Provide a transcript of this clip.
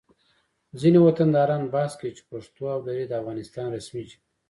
ځینې وطنداران بحث کوي چې پښتو او دري د افغانستان رسمي ژبې دي